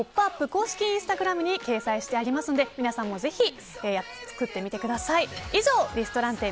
公式インスタグラムに掲載してありますので皆さんもぜひ作ってみてください。